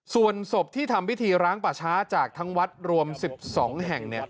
ส่วนศพที่ทำพิธีร้างป่าช้าจากทั้งวัดรวม๑๒แห่ง